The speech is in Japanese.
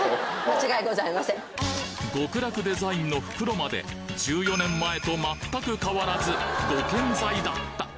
極楽デザインの袋まで１４年前と全く変わらずご健在だった！